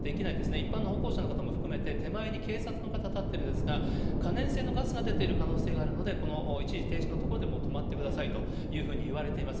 一般の歩行者の方も含めて手前に警察の方、立ってるんですが、可燃性のガスが出ている可能性があるので、この一時停止のところでもう止まってくださいというふうにいわれています。